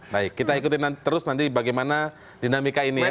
baik kita ikutin terus nanti bagaimana dinamika ini ya